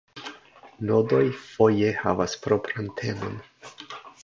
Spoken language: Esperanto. Nodoj foje havas propran temon.